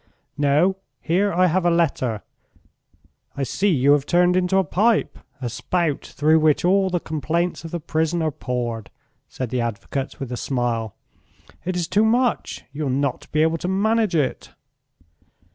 "No; here I have a letter ... I see you have turned into a pipe a spout through which all the complaints of the prison are poured," said the advocate, with a smile. "It is too much; you'll not be able to manage it."